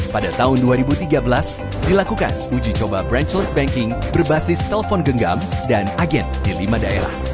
pada tahun dua ribu tiga belas dilakukan uji coba branchles banking berbasis telepon genggam dan agen di lima daerah